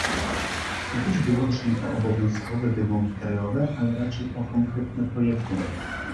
Nie chodzi wyłącznie o obowiązkowe wymogi krajowe, ale raczej o konkretne projekty